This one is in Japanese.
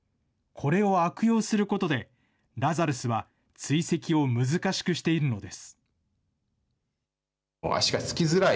これを悪用することで、ラザルスは追跡を難しくしているのです。